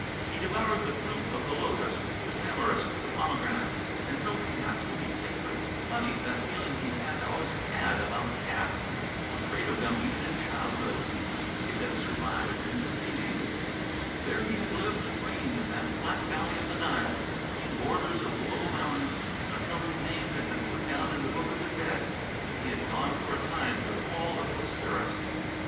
He devoured the fruit of the lotus, the tamarisk, the pomegranate, and held cats to be sacred. (Funny, that feeling he had always had about cats afraid of them even in childhood it had survived in his being!) There he had lived and reigned in that flat valley of the Nile, between borders of low mountains, until his name had been put down in the book of the dead, and he had gone for a time to the hall of Osiris.